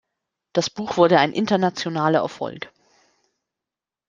Das Buch wurde ein internationaler Erfolg.